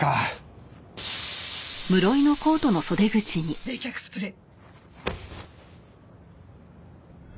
冷却スプレー。